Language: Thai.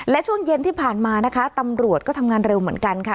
และช่วงเย็นที่ผ่านมานะคะตำรวจก็ทำงานเร็วเหมือนกันค่ะ